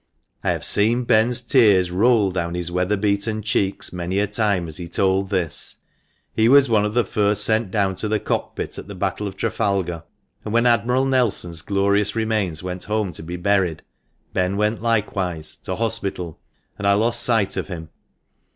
I have seen Ben's tears roll down his weather beaten cheeks many a time as he told this. He was one of the first sent down to the cock pit at the battle of Trafalgar, and when Admiral Nelson's glorious remains went home to be buried, Ben went likewise, to hospital, and I lost sight of him.